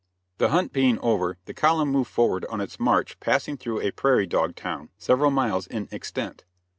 The hunt being over, the column moved forward on its march passing through a prairie dog town, several miles in extent.